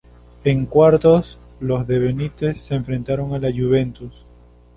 En cuartos los de Benítez se enfrentaron a la Juventus.